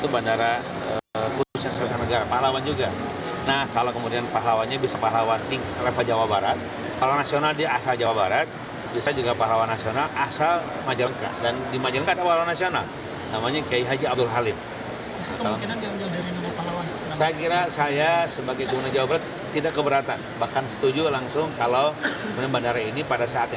bandara kertajati ini menjadi bandara terbesar kedua di indonesia